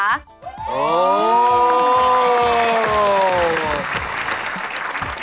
โคตร